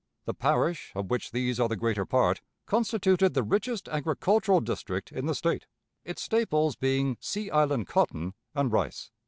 The parish, of which these are the greater part, constituted the richest agricultural district in the State; its staples being sea island cotton and rice.